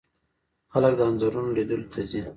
خلک د انځورونو لیدلو ته ځي.